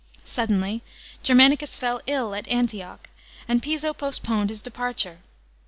Suddenly, Germanicus fell ill at Antioch, and Piso postponed his departure.